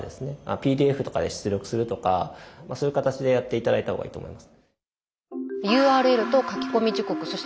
ＰＤＦとかで出力するとかそういう形でやって頂いた方がいいと思います。